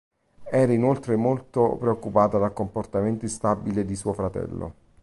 Era inoltre molto preoccupata del comportamento instabile di suo fratello.